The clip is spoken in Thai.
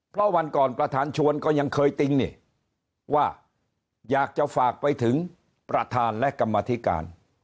เพราะวันก่อนประธานชวนก็ยังเคยติ้งนี่ว่าอยากจะฝากไปถึงประธานและกรรมธิการ